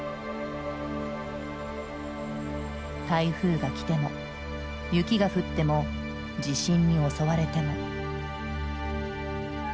台風がきても雪が降っても地震に襲われても。